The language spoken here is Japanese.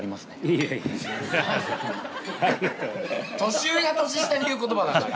年上が年下に言う言葉だから。